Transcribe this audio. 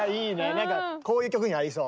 なんかこういう曲に合いそう。